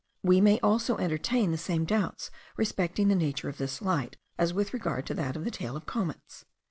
We may also entertain the same doubts respecting the nature of this light, as with regard to that of the tails of comets.